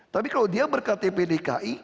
tapi kalau dia berkata pdki